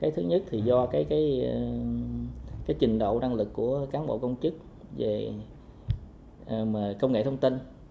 thứ nhất là do trình độ năng lực của cán bộ công chức về công nghệ thông tin